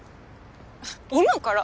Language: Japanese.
今から？